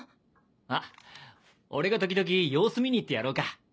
あっ俺が時々様子見に行ってやろうか。